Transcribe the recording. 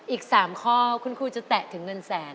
อีก๓ข้อคุณครูจะแตะถึงเงินแสน